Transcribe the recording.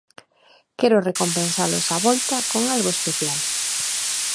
Quero recompensalos á volta con algo especial.